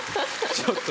ちょっと。